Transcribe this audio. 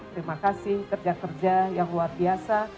terima kasih kerja kerja yang luar biasa